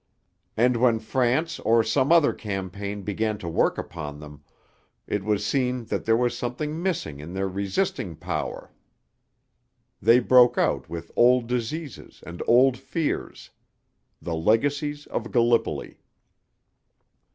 And when France or some other campaign began to work upon them, it was seen that there was something missing in their resisting power; they broke out with old diseases and old fears ... the legacies of Gallipoli.